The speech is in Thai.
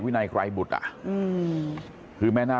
สวัสดีครับคุณผู้ชาย